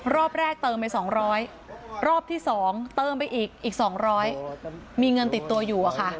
รอบแรกเติมไป๒๐๐รอบที่๒เติมไปอีกอีก๒๐๐มีเงินติดตัวอยู่อะค่ะ